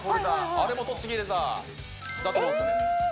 あれも栃木レザーだと思うんすよねええ！